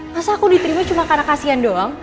masa aku diterima cuma karena kasihan doang